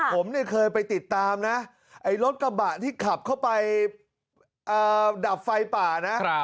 ผมเนี่ยเคยไปติดตามนะไอ้รถกระบะที่ขับเข้าไปดับไฟป่านะ